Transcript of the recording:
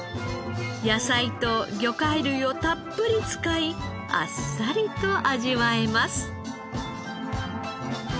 野菜と魚介類をたっぷり使いあっさりと味わえます。